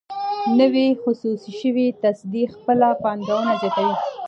نوې خصوصي شوې تصدۍ خپله پانګونه زیاتوي.